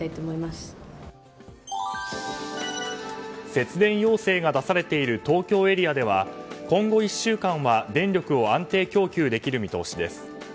節電要請が出されている東京エリアでは今後１週間は電力を安定供給できる見通しです。